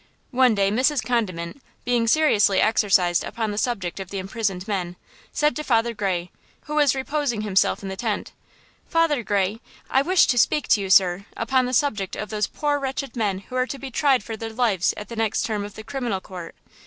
One day Mrs. Condiment, being seriously exercised upon the subject of the imprisoned men, said to Father Gray, who was reposing himself in the tent: "Father Gray, I wished to speak to you, sir, upon the subject of those poor wretched men who are to be tried for their lives at the next term of the Criminal Court.